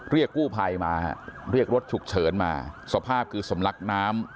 เรียกกู้ภัยมาฮะเรียกรถฉุกเฉินมาสภาพคือสำลักน้ำ